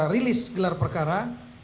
rilis gelar perkara